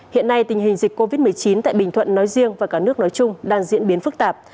hiện nay tình hình dịch covid một mươi chín tại bình thuận nói riêng và cả nước nói chung đang diễn biến phức tạp